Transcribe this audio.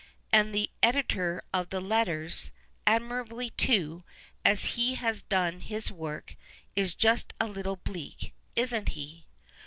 And the editor of tiic Letters, admirably, too, as he has done his work, is just a little bleak, isn't he